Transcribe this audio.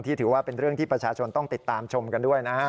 ถือว่าเป็นเรื่องที่ประชาชนต้องติดตามชมกันด้วยนะฮะ